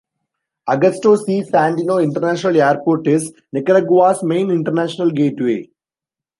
Augusto C. Sandino International Airport is Nicaragua's main international gateway.